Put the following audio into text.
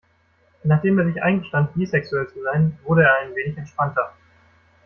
Nachdem er sich eingestand, bisexuell zu sein, wurde er ein wenig entspannter.